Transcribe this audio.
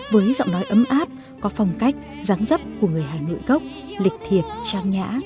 với giọng nói ấm áp có phong cách dáng dấp của người hà nội gốc lịch thiệt trang nhã